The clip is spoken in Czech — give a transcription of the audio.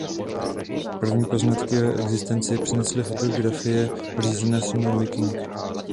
První poznatky o jeho existenci přinesly fotografie pořízené sondou Viking.